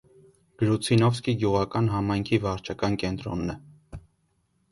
Գրուցինովսկի գյուղական համայնքի վարչական կենտրոնն է։